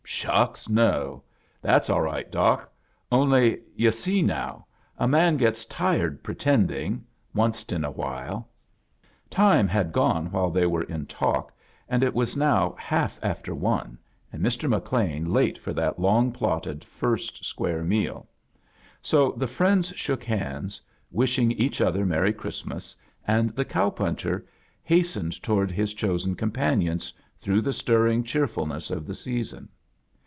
"Shucks, no! That's all right. Doc Only — yu* see now. A man gets tired pretending — onced in a while." Time had gone while they were in talk, j\, : and it was now half after one and Mr. McLean late for that long plotted first square meaL So the friends shook hands, wishing each other Merry Christmas, and the cow puncher hastened towards his chosen companions through the stirring cheerfulness of the season.